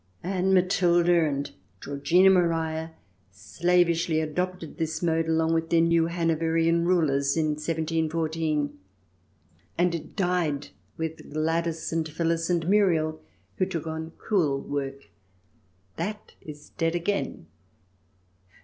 Ann Matilda and Georgina Maria slavishly adopted this mode along with their new Hanoverian rulers in 1714, and it died with Gladys and Phyllis and Muriel, who took on crewel work. That is dead again.